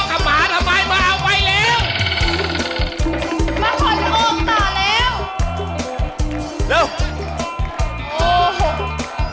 อ้าวอ้าวอ้าวโอ้วโอ้วโอ้ว